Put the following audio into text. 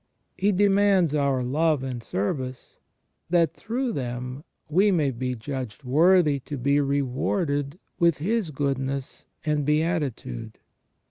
He demands our love and service, that through them we may be judged worthy to be rewarded with His goodness and beatitude.